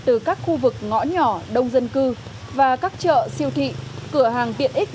từ các khu vực ngõ nhỏ đông dân cư và các chợ siêu thị cửa hàng tiện ích